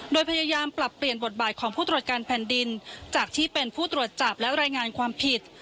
โดยพยายามปรับเปลี่ยนบทบาทของผู้ตรวจการแผ่นดินจากที่เป็นผู้ตรวจจับและรายงานความผิด